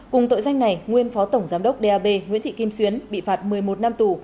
cùng tội danh này nguyên phó tổng giám đốc đ a b nguyễn thị kim xuyến bị phạt một mươi một năm tù